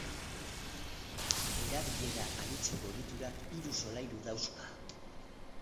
Erabilera anitzeko egiturak hiru solairu dauzka.